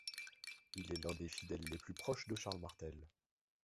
Il est l'un des fidèles les plus proches de Charles Martel.